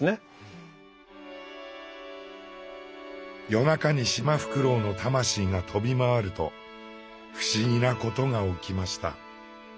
夜中にシマフクロウの魂が飛び回ると不思議なことが起きました。